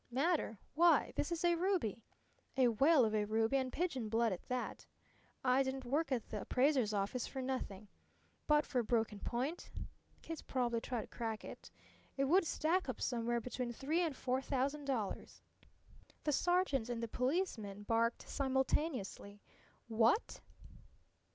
"Matter? Why, this is a ruby! A whale of a ruby, an' pigeon blood at that! I didn't work in the' appraiser's office for nothing. But for a broken point kids probably tried to crack it it would stack up somewhere between three and four thousand dollars!" The sergeant and the policemen barked simultaneously: "What?"